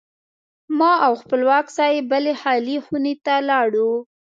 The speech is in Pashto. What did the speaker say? ما او خپلواک صاحب بلې خالي خونې ته لاړو.